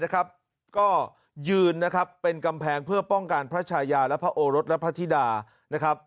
ก็ยืนเป็นกำแพงเพื่อป้องกันพระชายาและพระโอรสและพระธิดา